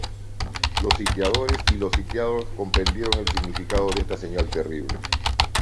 Los sitiadores y los sitiados comprendieron el significado de esta señal terrible.